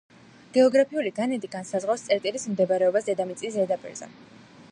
გეოგრაფიული განედი განსაზღვრავს წერტილის მდებარეობას დედამიწის ზედაპირზე.